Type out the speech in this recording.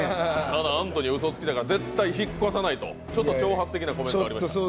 ただ、アントニーはうそつきだから絶対引っ越さないと、ちょっと挑発的なコメントがありました。